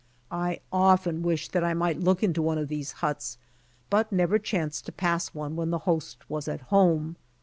I often wished that I might look into one of those huts, but never chanced to pass one when the host was at home.